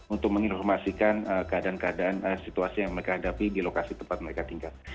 untuk menginformasikan keadaan keadaan situasi yang mereka hadapi di lokasi tempat mereka tinggal